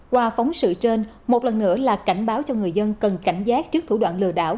qua phóng sự trên một lần nữa là cảnh báo cho người dân cần cảnh giác trước thủ đoạn lừa đảo